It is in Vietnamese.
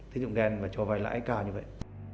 tín dụng đen và cho vay lãi cao như vậy